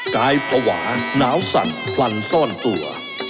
กายภาวะหนาวสั่นพลันซ่อนตัว